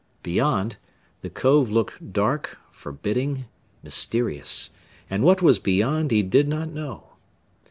Beyond, the cove looked dark, forbidding, mysterious, and what was beyond he did not know.